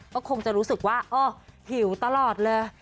ก็คงจะรู้สึกว่าเออหิวตลอดเลย